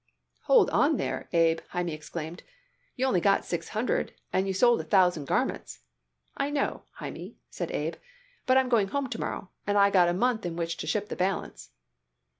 "Hold on there, Abe!" Hymie exclaimed. "You only got six hundred, and you sold a thousand garments." "I know, Hymie," said Abe, "but I'm going home to morrow, and I got a month in which to ship the balance."